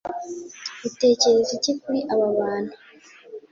utekereza iki kuri aba bantu